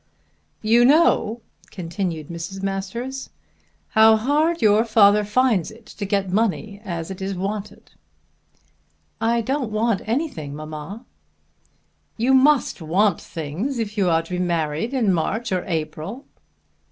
"You know," continued Mrs. Masters, "how hard your father finds it to get money as it is wanted." "I don't want anything, mamma." "You must want things if you are to be married in March or April."